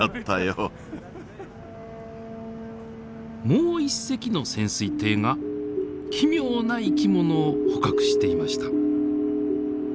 もう一隻の潜水艇が奇妙な生き物を捕獲していました。